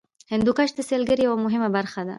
هندوکش د سیلګرۍ یوه مهمه برخه ده.